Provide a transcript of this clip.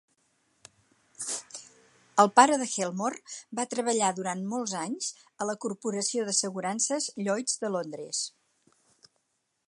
El pare d'Helmore va treballar durant molts anys a la corporació d'assegurances Lloyd's de Londres.